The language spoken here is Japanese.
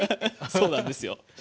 そうなんですよ。